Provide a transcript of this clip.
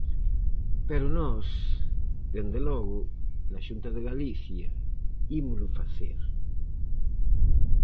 Pero nós, dende logo, na Xunta de Galicia ímolo facer.